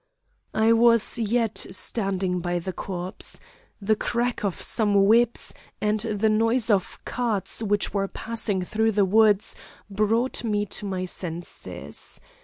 "I was yet standing by the corpse. The crack of some whips, and the noise of carts, which were passing through the wood, brought me to my senses.